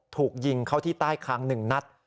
ถูกยิงเข้าที่ใต้คาง๑นัด